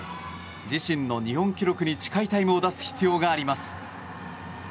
自身の日本記録に近いタイムを出す必要があります。